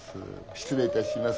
失礼いたします。